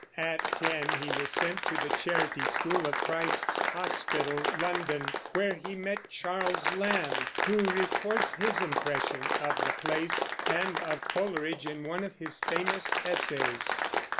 At ten he was sent to the Charity School of Christ's Hospital, London, where he met Charles Lamb, who records his impression of the place and of Coleridge in one of his famous essays.